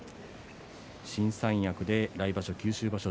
新三役で来場所、九州場所